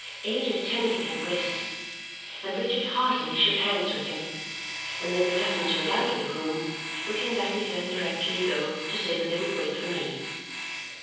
Ada tenderly embraced him, and Richard heartily shook hands with him, and then the cousins went out of the room, looking back again directly, though, to say that they would wait for me.